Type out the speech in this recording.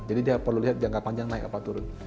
jadi dia perlu lihat jangka panjang naik apa turun